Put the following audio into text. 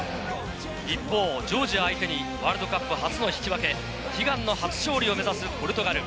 一方、ジョージア相手にワールドカップ初の引き分け、悲願の初勝利を目指すポルトガル。